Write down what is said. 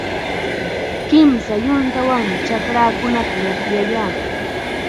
Kimsa yuntawanmi chakraakunata yapyayaa.